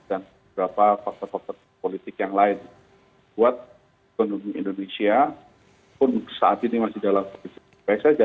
dan beberapa faktor faktor politik yang lain buat ekonomi indonesia pun saat ini masih dalam kegiatan baik saja